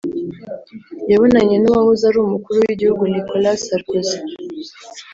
yabonanye n’uwahoze ari umukuru w’igihugu Nicolas Sarkozy